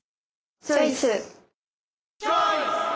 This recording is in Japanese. チョイス！